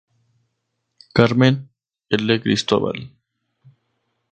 Carmen L. Cristóbal.